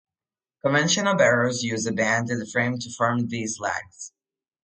Conventional barrows use a bend in the frame to form these legs.